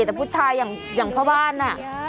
แต่ผู้ชายอย่างพระบ้าน